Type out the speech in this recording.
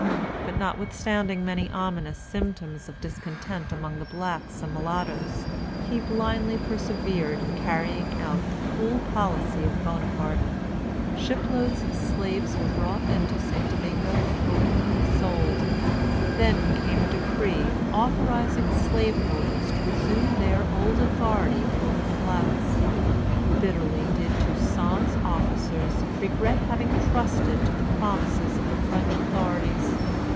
But notwithstanding many ominous symptoms of discontent among the blacks and mulattoes, he blindly persevered in carrying out the cruel policy of Bonaparte. Shiploads of slaves were brought into St. Domingo and openly sold. Then came a decree authorizing slaveholders to resume their old authority over the blacks. Bitterly did Toussaint's officers regret having trusted to the promises of the French authorities.